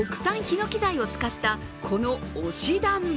国産ひのき材を使ったこの推し壇。